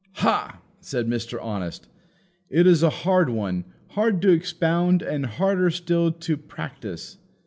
"Hah!" said Mr. Honest, "it is a hard one; hard to expound, and harder still to practise."